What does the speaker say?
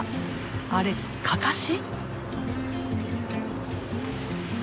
あれかかし？